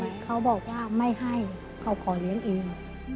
เขาบอกว่าไม่ให้เขาขอเลี้ยงเอง